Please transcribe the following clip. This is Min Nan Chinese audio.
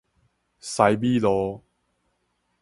西米露